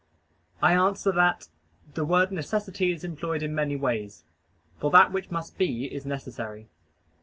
I answer that, The word "necessity" is employed in many ways. For that which must be is necessary.